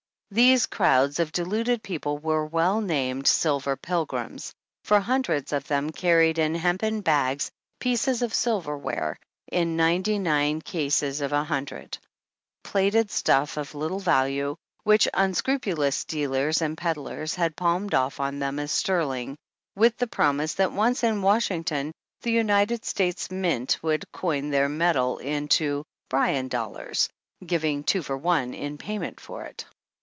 These crowds of deluded people were well named " Silver Pilgrims,'' for hundreds of them carried in hempen bags, pieces of silverware, in ninety nine cases of a hundred, plated stuff of little value, which unscrupulous dealers and peddlers had palmed off upon them as sterling, with the promises that once in Washington, the United States Mint would coin their metal into Bryan Dollars " giving " two for one'^ in payment for it.